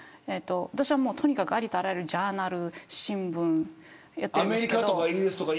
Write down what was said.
私は、とにかく、ありとあらゆるジャーナル、新聞をやっているんですけど。